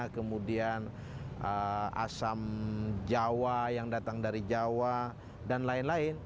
kemudian asam jawa yang datang dari jawa dan lain lain